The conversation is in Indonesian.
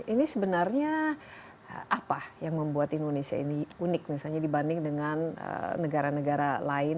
ini sebenarnya apa yang membuat indonesia ini unik misalnya dibanding dengan negara negara lain